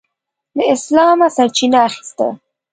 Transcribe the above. له اسلامه سرچینه اخیسته.